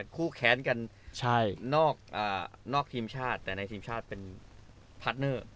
คู่แค้นกันนอกทีมชาติแต่ในทีมชาติเป็นพาร์ทเนอร์